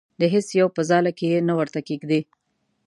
د هیڅ یو په ځاله کې یې نه ورته کېږدي.